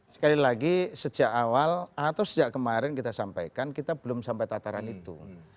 sekali lagi sejak awal atau sejak kemarin kita sampaikan kita belum sampai tataran itu